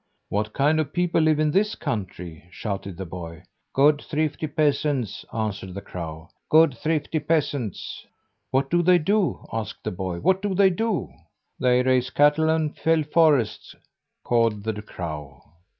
"What kind of people live in this country?" shouted the boy. "Good, thrifty peasants," answered the crow. "Good, thrifty peasants." "What do they do?" asked the boy. "What do they do?" "They raise cattle and fell forests," cawed the crow.